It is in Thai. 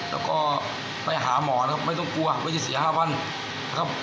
แล้วก็ไปหาหมอนะครับไม่ต้องกลัวว่าจะเสีย๕วันนะครับ